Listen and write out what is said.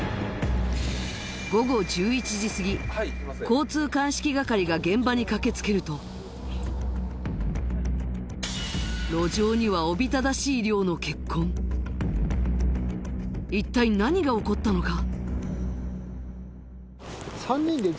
午後１１時すぎ交通鑑識係が現場に駆けつけると路上にはおびただしい量の血痕一体何が起こったのか？